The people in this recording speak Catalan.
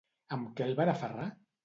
Amb què el van aferrar?